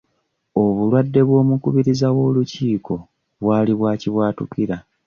Obulwadde bw'omukubiriza w'olukiiko bwali bwa kibwatukira.